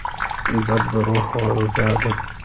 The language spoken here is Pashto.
ادب د روح غذا ده.